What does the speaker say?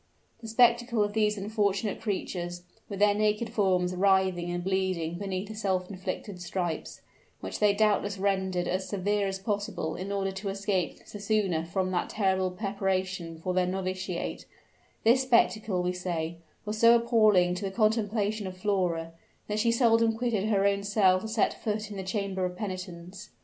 The spectacle of these unfortunate creatures, with their naked forms writhing and bleeding beneath the self inflicted stripes, which they doubtless rendered as severe as possible in order to escape the sooner from that terrible preparation for their novitiate this spectacle, we say, was so appalling to the contemplation of Flora, that she seldom quitted her own cell to set foot in the chamber of penitence.